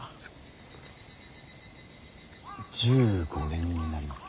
１５年になります。